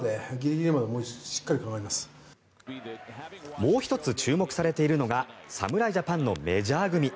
もう１つ注目されているのが侍ジャパンのメジャー組。